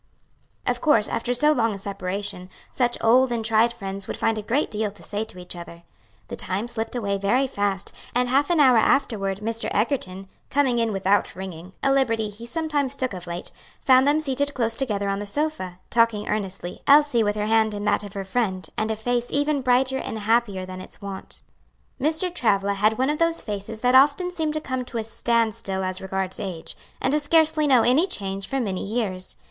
Of course, after so long a separation, such old and tried friends would find a great deal to say to each other. The time slipped away very fast, and half an hour afterward Mr. Egerton, coming in without ringing a liberty he sometimes took of late found them seated close together on the sofa, talking earnestly, Elsie with her hand in that of her friend, and a face even brighter and happier than its wont. Mr. Travilla had one of those faces that often seem to come to a stand still as regards age, and to scarcely know any change for many years.